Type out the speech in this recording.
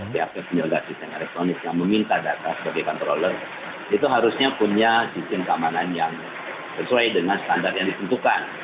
pihak pihak penyelenggara sistem elektronik yang meminta data sebagai controller itu harusnya punya sistem keamanan yang sesuai dengan standar yang ditentukan